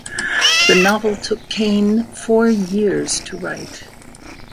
The novel took Cain four years to write.